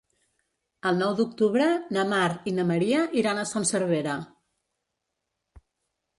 El nou d'octubre na Mar i na Maria iran a Son Servera.